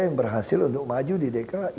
yang berhasil untuk maju di dki